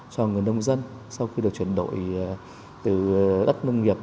cho người nông dân sau khi được chuyển đổi từ đất nông nghiệp